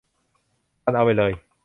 ทัน เอาไปเลย